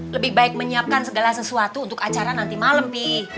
lebih baik menyiapkan segala sesuatu untuk acara nanti malam nih